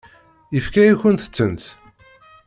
Yefka-yakent-tent?